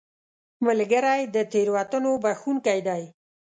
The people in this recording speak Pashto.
ملګری د تېروتنو بخښونکی دی